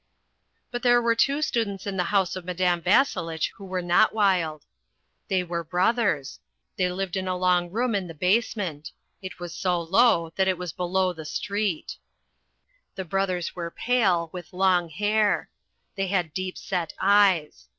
But there were two students in the house of Madame Vasselitch who were not wild. They were brothers. They lived in a long room in the basement. It was so low that it was below the street. The brothers were pale, with long hair. They had deep set eyes.